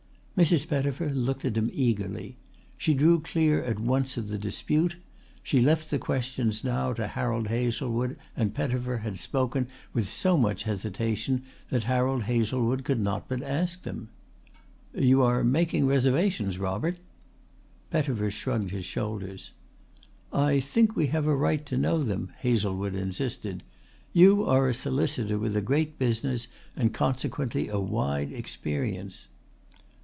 Mrs. Pettifer looked at him eagerly. She drew clear at once of the dispute. She left the questions now to Harold Hazlewood, and Pettifer had spoken with so much hesitation that Harold Hazlewood could not but ask them. "You are making reservations, Robert?" Pettifer shrugged his shoulders. "I think we have a right to know them," Hazlewood insisted. "You are a solicitor with a great business and consequently a wide experience."